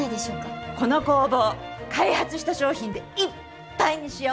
この工房開発した商品でいっぱいにしよう。